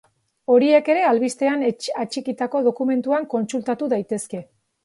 Horiek ere albistean atxikitako dokumentuan kontsultatu daitezke.